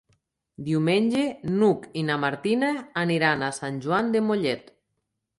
Diumenge n'Hug i na Martina aniran a Sant Joan de Mollet.